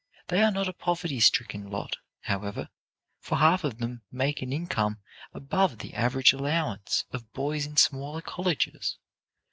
They are not a poverty stricken lot, however, for half of them make an income above the average allowance of boys in smaller colleges.